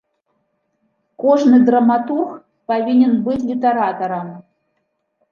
Кожны драматург павінен быць літаратарам.